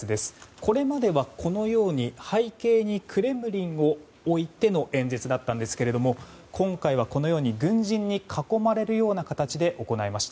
これまでは、このように背景にクレムリンを置いての演説だったんですが今回は軍人に囲まれるような形で行いました。